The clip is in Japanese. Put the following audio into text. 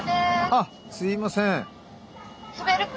あっすいません。